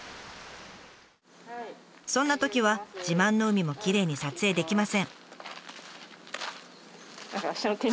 そんなときは自慢の海もきれいに撮影できません。